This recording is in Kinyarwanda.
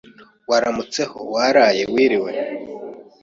waramutseho, waraye, wiriwe